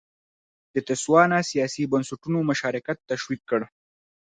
د تسوانا سیاسي بنسټونو مشارکت تشویق کړ.